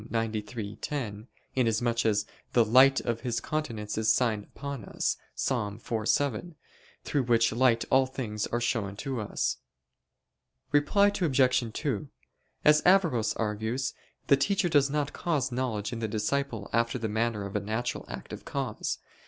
93:10), inasmuch as "the light of His countenance is signed upon us" (Ps. 4:7), through which light all things are shown to us. Reply Obj. 2: As Averroes argues, the teacher does not cause knowledge in the disciple after the manner of a natural active cause.